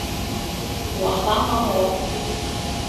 Уаха мамоу.